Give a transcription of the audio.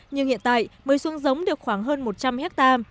nhưng hiện tại mới xuân giống được khoảng hơn một trăm linh ha